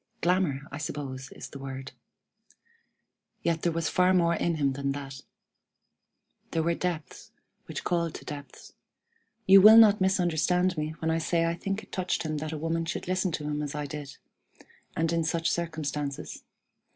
Glamour, I suppose, is the word. Yet there was far more in him than that. There were depths, which called to depths; and you will not misunderstand me when I say I think it touched him that a woman should listen to him as I did, and in such circumstances.